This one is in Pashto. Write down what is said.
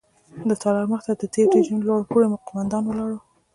د تالار مخې ته د تېر رژیم لوړ پوړي قوماندان ولاړ وو.